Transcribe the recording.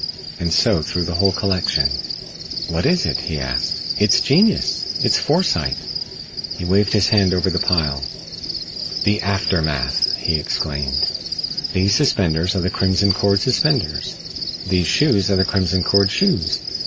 And so through the whole collection. "What is it?" he asked. "It's genius! It's foresight." He waved his hand over the pile. "The aftermath!" he exclaimed. "These suspenders are the Crimson Cord suspenders. These shoes are the Crimson Cord shoes.